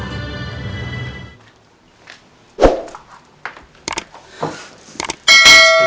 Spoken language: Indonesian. aku tidak tahu